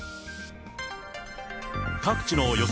各地の予想